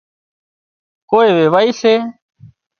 ڪوئي ويوائي سي